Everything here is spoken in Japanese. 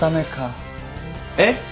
えっ？